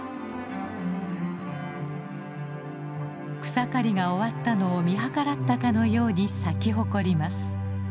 草刈りが終わったのを見計らったかのように咲き誇ります。